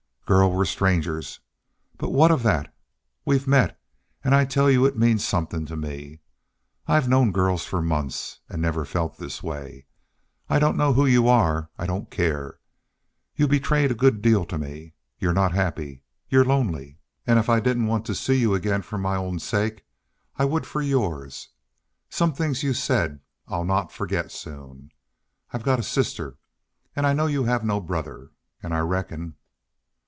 "Girl, we're strangers, but what of that? We've met, an' I tell you it means somethin' to me. I've known girls for months an' never felt this way. I don't know who you are an' I don't care. You betrayed a good deal to me. You're not happy. You're lonely. An' if I didn't want to see you again for my own sake I would for yours. Some things you said I'll not forget soon. I've got a sister, an' I know you have no brother. An' I reckon